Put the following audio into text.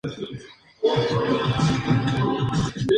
Por lo que su control es difícil ya que está muy extendida.